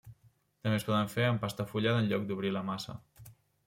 També es poden fer en pasta fullada en lloc d'obrir la massa.